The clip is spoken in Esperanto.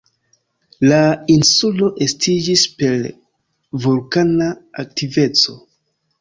La insulo estiĝis per vulkana aktiveco.